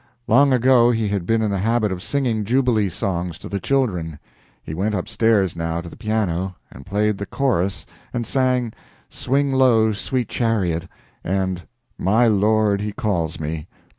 Long ago he had been in the habit of singing jubilee songs to the children. He went upstairs now to the piano and played the chorus and sang "Swing Low, Sweet Chariot," and "My Lord He Calls Me."